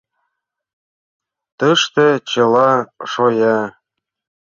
«Тыште чыла шоя!